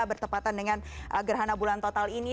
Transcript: bertepatan dengan gerhana bulan total ini